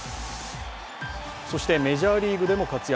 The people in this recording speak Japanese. そしてメジャーリーグでも活躍。